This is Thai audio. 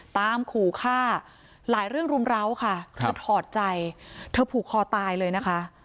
ขู่ฆ่าหลายเรื่องรุมร้าวค่ะเธอถอดใจเธอผูกคอตายเลยนะคะ